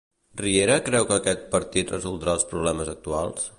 Riera creu que aquest partit resoldrà els problemes actuals?